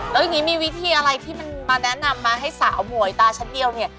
แล้วอย่างนี้มีวิธีอะไรที่มันมาแนะนำมาให้สาวหมวยตาชั้นเดียวเนี่ย